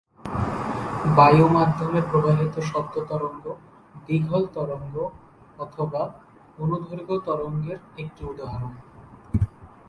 বায়ু মাধ্যমে প্রবাহিত শব্দ তরঙ্গ দীঘল তরঙ্গ/অনুদৈর্ঘ্য তরঙ্গের একটি উদাহরণ।